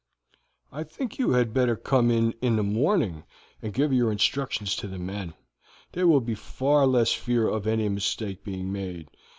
"I think you had better come in in the morning, and give your instructions to the men; there will be less fear of any mistake being made.